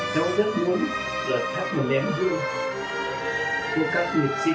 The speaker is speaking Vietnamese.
cháu rất muốn là thắt một ném thương cho các nguyện sĩ